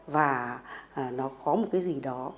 và nó có một cái gì đó